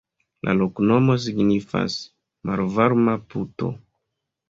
La loknomo signifas: malvarma-puto.